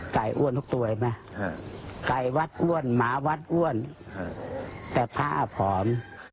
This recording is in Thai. ไก่อ้วนทุกตัวเห็นไหมไก่วัดอ้วนหมาวัดอ้วนแต่พระผอม